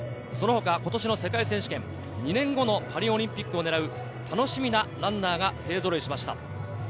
今年の世界選手権、２年後のパリオリンピックを狙う楽しみなランナーが勢ぞろいしました。